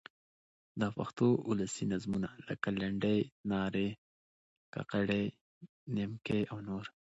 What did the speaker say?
د پښتو اولسي نظمونه؛ لکه: لنډۍ، نارې، کاکړۍ، نیمکۍ او نور.